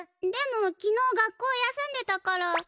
でもきのう学校休んでたから。